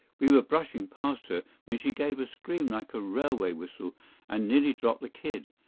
We were brushing past her, when she gave a scream like a railway whistle, and nearly dropped the kid.